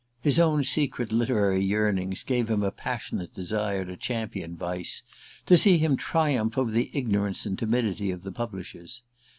His own secret literary yearnings gave him a passionate desire to champion Vyse, to see him triumph over the ignorance and timidity of the publishers.